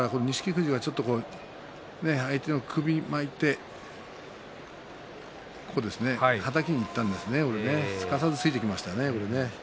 富士は相手の首を巻いてはたきにいったんですけどすかさず突いていきましたね。